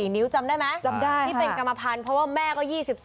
นิ้วจำได้ไหมจำได้ที่เป็นกรรมพันธุ์เพราะว่าแม่ก็๒๓